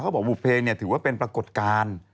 เขาบอกว่าบุฟเฟย์ถือว่าเป็นปรากฏการณ์